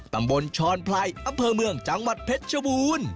ตำบลชอนไพรอำเภอเมืองจังหวัดเพชรชบูรณ์